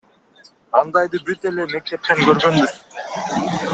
Андайды бүт эле мектептен көргөнбүз.